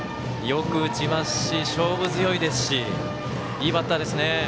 よく打ちますし、勝負強いですしいいバッターですね。